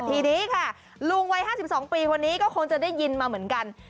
ทีนี้ค่ะลุงวัย๕๒ปีคนนี้ก็คงจะได้ยินมาเหมือนกัน